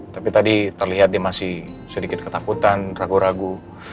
tapi tadi terlihat dia masih sedikit ketakutan ragu ragu